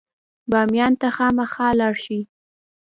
بامیان ته خامخا لاړ شئ.